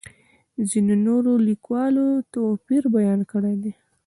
ځینو نورو لیکوالو توپیر بیان کړی دی.